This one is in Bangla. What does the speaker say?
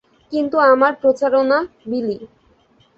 কিন্তু আমার প্রচারণা, বিলি।